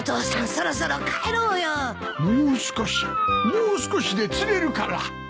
もう少しで釣れるから。